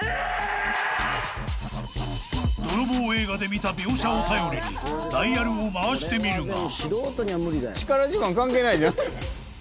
［泥棒映画で見た描写を頼りにダイヤルを回してみるが］